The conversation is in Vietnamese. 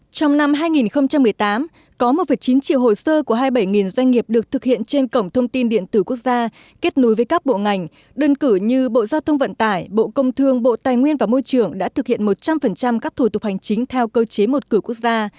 trong năm hai nghìn một mươi tám có một chín triệu hồ sơ của hai mươi bảy doanh nghiệp được thực hiện trên cổng thông tin điện tử quốc gia kết nối với các bộ ngành đơn cử như bộ giao thông vận tải bộ công thương bộ tài nguyên và môi trường đã thực hiện một trăm linh các thủ tục hành chính theo cơ chế một cửa quốc gia